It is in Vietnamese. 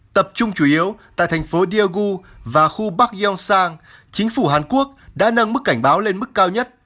tập trung chủ yếu tại thành phố daegu và khu bắc gyeongsang chính phủ hàn quốc đã nâng mức cảnh báo lên mức cao nhất